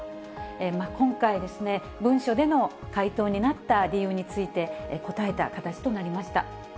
今回、文書での回答になった理由について、答えた形となりました。